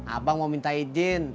abang mau minta izin